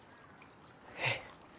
えっ？